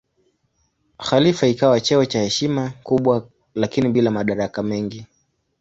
Khalifa ikawa cheo cha heshima kubwa lakini bila madaraka mengi.